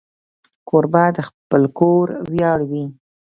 کوربه د خپل کور ویاړ وي.